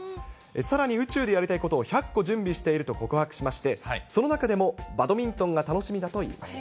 さらに宇宙でやりたいことを１００個準備していると告白しまして、その中でも、バドミントンが楽しみだといいます。